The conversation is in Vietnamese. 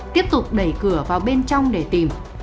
tiếp tục đẩy cửa vào bên trong để tìm